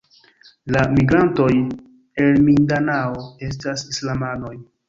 La migrantoj el Mindanao estas islamanoj.